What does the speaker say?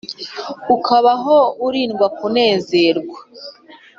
Ukabaho urindwa kunezerwa